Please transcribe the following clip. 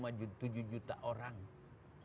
hanya untuk bagaimana mengeluarkan kurg